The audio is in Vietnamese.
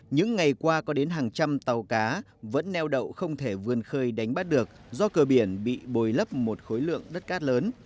những ngày qua có đến hàng trăm tàu cá vẫn neo đậu không thể vươn khơi đánh bắt được do cơ biển bị bồi lấp một khối lượng đất cát lớn